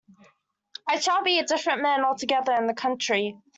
I shall be a different man altogether in the country.